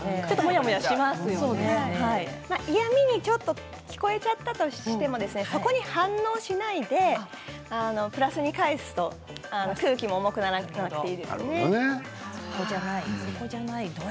嫌みにちょっと聞こえちゃったとしてもそこに反応しないでプラスに返すと空気も重くならなくていいですね。